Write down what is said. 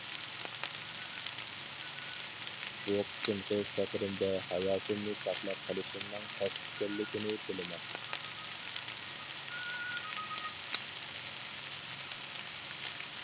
بۇ قېتىمقى سەپىرىمدە ھاياتىمنى ساقلاپ قېلىشىمنىڭ تەس ئىكەنلىكىنى بىلىمەن.